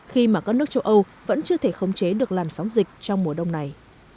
khi mà các nước châu âu vẫn chưa thể khống chế được làn sóng dịch trong mùa đông này